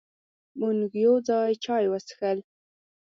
مونږ یو ځای چای وڅښل.